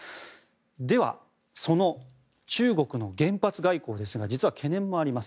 では、その中国の原発外交ですが実は懸念もあります。